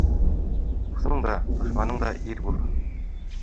Дуҫың да, дошманың да ир булһын.